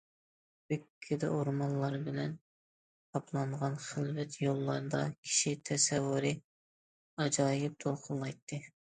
بۈككىدە ئورمانلار بىلەن قاپلانغان خىلۋەت يوللاردا كىشى تەسەۋۋۇرى ئاجايىپ دولقۇنلايتتى.